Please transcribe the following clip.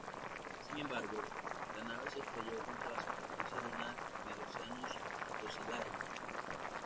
Sin embargo, la nave se estrelló contra la superficie lunar en el Oceanus Procellarum.